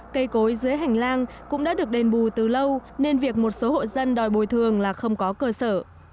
cây cối dưới hành lang cũng đã được đền bù từ lâu nên việc một số hộ dân đòi bồi thường là không có cơ sở